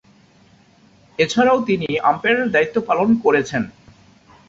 এছাড়াও তিনি আম্পায়ারের দায়িত্ব পালন করেছেন।